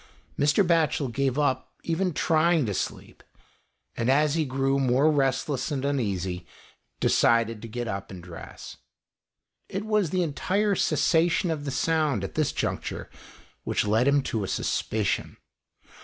Mr. Batchel gave up even trying to sleep, and as he grew more restless and uneasy, decided to get up and dress. It was the entire cessation of the sound at this juncture which led him to a suspicion.